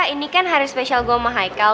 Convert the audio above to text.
ini kan hari spesial gue sama haikal